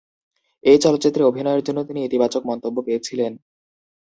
এই চলচ্চিত্রে অভিনয়ের জন্য তিনি ইতিবাচক মন্তব্য পেয়েছিলেন।